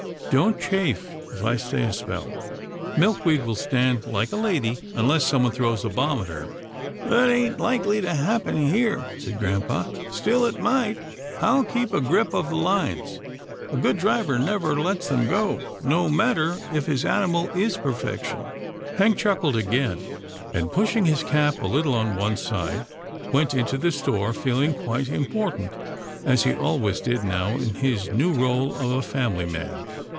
Don't chafe, if I stay a spell. Milkweed will stand like a lady, unless someone throws a bomb at her." " That ain't likely to happen here," said grampa, " still it might. I'll keep a grip of the lines. A good driver never lets them go, no matter if his animal is perfection." Hank chuckled again, and, pushing his cap a little on one side, went into the store, feeling quite important, as he always did now, in his new role of a family man.